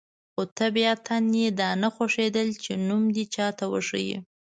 خو طبیعتاً یې دا نه خوښېدل چې نوم دې چاته وښيي.